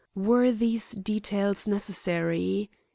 Were these details necessary?